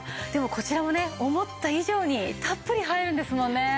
でもこちらもね思った以上にたっぷり入るんですもんね。